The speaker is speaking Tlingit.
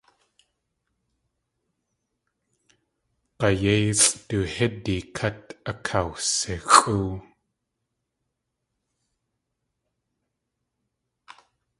G̲ayéisʼ du hídi kát akawsixʼóo.